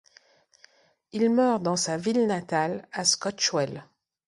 Il meurt dans sa ville natale, à Scotchwell.